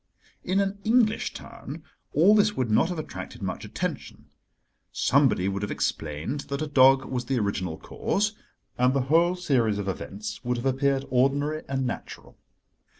In an English town all this would not have attracted much attention. Somebody would have explained that a dog was the original cause, and the whole series of events would have appeared ordinary and natural.